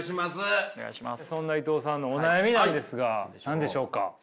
そんな伊藤さんのお悩みなんですが何でしょうか。